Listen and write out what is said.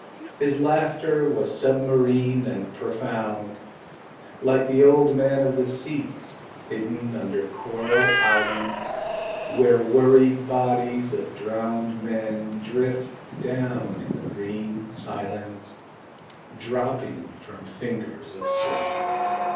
His laughter was submarine and profound Like the old man of the sea's Hidden under coral islands Where worried bodies of drowned men drift down in the green silence, Dropping from fingers of surf.